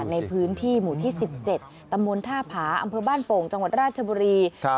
ในพื้นที่หมู่ที่๑๗ตำบลท่าผาอำเภอบ้านโป่งจังหวัดราชบุรี